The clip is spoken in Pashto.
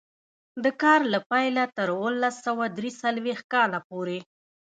د کار له پیله تر اوولس سوه درې څلوېښت کاله پورې.